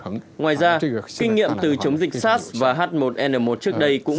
ngoài ra kinh nghiệm từ chống dịch sars và h một n một trước đây cũng khiến chúng ta rất khó khăn